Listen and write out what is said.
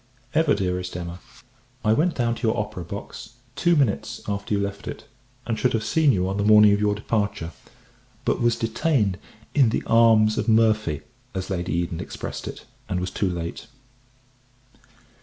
EVER DEAREST EMMA, I went down to your Opera box two minutes after you left it; and should have seen you on the morning of your departure but was detained in the arms of Murphy, as Lady Eden expressed it, and was too late.